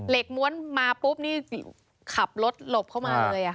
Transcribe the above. ม้วนมาปุ๊บนี่ขับรถหลบเข้ามาเลย